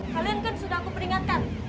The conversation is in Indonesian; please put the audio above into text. kalian kan sudah aku peringatkan